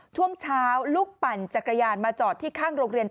ช่วงเช้าลูกปั่นจักรยานมาจอดที่ข้างโรงเรียน